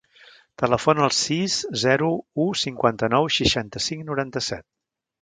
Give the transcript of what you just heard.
Telefona al sis, zero, u, cinquanta-nou, seixanta-cinc, noranta-set.